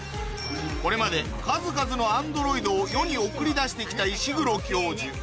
これまで数々のアンドロイドを世に送り出してきた石黒教授